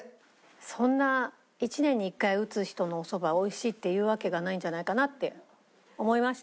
そんな１年に１回打つ人のおそばを美味しいって言うわけがないんじゃないかなって思いました。